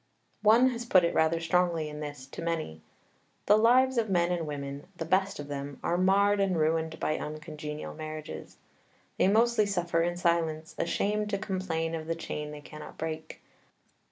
One has put it rather strongly in this, to many: "The lives of men and women, the best of them, are marred and ruined by uncongenial marriages. They mostly suffer in silence, ashamed to complain of the chain they cannot break.